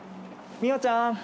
美桜ちゃん！